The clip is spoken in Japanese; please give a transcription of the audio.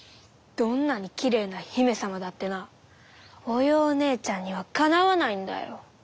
どんなにきれいな姫様だってなおようねえちゃんにはかなわないんだよ。